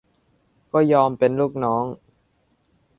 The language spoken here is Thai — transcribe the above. ก็ยอมเป็นลูกน้อง